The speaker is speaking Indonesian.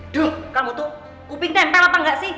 duh kamu tuh kuping tempel apa enggak sih